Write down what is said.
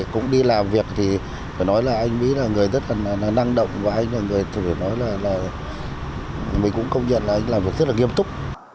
cũng đi làm việc thì phải nói là anh mỹ là người rất là năng động và anh mỹ cũng công nhận là anh làm việc rất là nghiêm túc